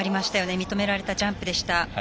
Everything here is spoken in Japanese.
認められたジャンプでした。